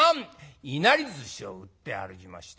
いなりずしを売って歩きまして。